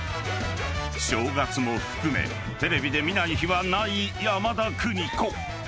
［正月も含めテレビで見ない日はない山田邦子］